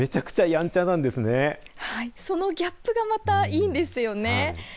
そのギャップがまたいいんですよね。